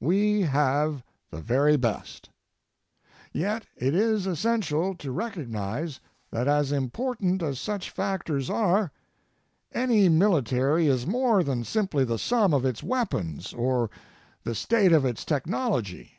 We have the very best. Yet, it is essential to recognize that as important as such factors are, any military is more than simply the sum of its weapons or the state of its technology.